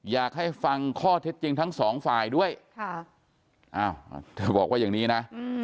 อยากให้ฟังข้อเท็จจริงทั้งสองฝ่ายด้วยค่ะอ้าวเธอบอกว่าอย่างนี้นะ